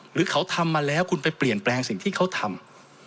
หรือเขาทำมาแล้วคุณไปเปลี่ยนแปลงสิ่งที่เขาทำ